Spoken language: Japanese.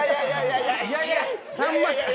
いやいやさんまさん